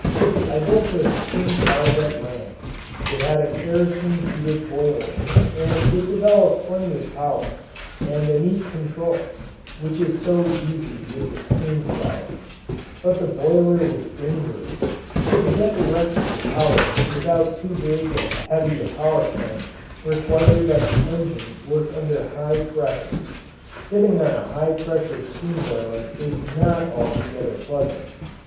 I built a steam car that ran. It had a kerosene heated boiler and it developed plenty of power and a neat control which is so easy with a steam throttle. But the boiler was dangerous. To get the requisite power without too big and heavy a power plant required that the engine work under high pressure; sitting on a high pressure steam boiler is not altogether pleasant.